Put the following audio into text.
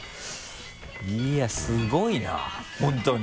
いやっすごいな本当に。